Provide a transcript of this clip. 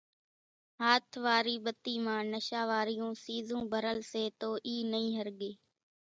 ھاٿ واري ٻتي مان نشا واريون سيزون ڀرل سي تو اِي نئي ۿرڳي،